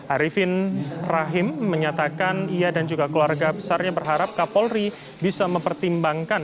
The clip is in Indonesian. arifin rahim menyatakan ia dan juga keluarga besarnya berharap kapolri bisa mempertimbangkan